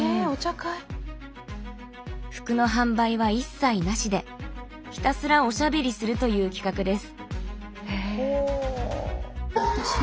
服の販売は一切なしでひたすらおしゃべりするという企画です。